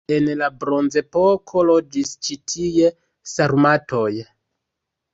En la bronzepoko loĝis ĉi tie sarmatoj.